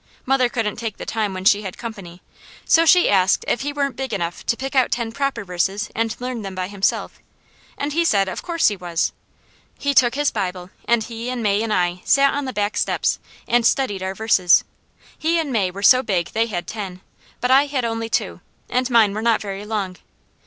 Mother couldn't take the time when she had company, so she asked if he weren't big enough to pick out ten proper verses and learn them by himself, and he said of course he was. He took his Bible and he and May and I sat on the back steps and studied our verses. He and May were so big they had ten; but I had only two, and mine were not very long.